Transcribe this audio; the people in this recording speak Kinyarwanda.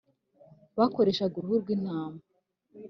bakoreshaga uruhu rw’intama